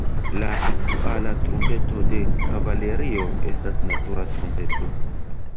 La aktuala trumpeto de kavalerio estas natura trumpeto.